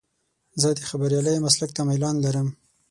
زه د خبریالۍ مسلک ته میلان لرم.